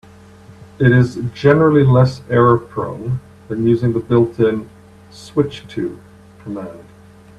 It is generally less error-prone than using the built-in "switch to" command.